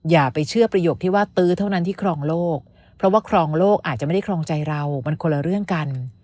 อย่าไปเชื่อประโยคที่ว่าตื้อเท่านั้นที่ครองโลกเพราะว่าครองโลกอาจจะไม่ได้ครองใจเรามันคนละเรื่องกัน